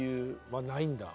はないんだ。